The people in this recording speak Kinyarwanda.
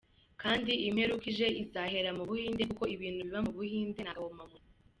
kandi imperuka ije izahera mubuhinde kuko ibintu biba mubuhinde nagahomamunwa.